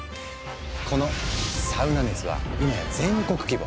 このサウナ熱は今や全国規模。